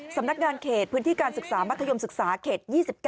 สำนักงานเขตพื้นที่การศึกษามัธยมศึกษาเขต๒๙